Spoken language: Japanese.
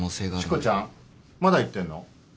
しこちゃんまだ言ってんの？